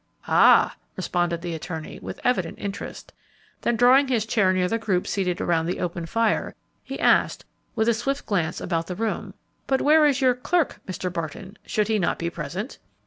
"Ah h!" responded the attorney with evident interest; then drawing his chair near the group seated about the open fire, he asked, with a swift glance about the room, "But where is your 'clerk,' Mr. Barton? Should he not be present?"